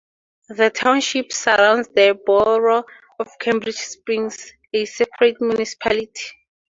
The township surrounds the borough of Cambridge Springs, a separate municipality.